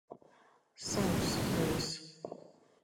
Sauss gaiss.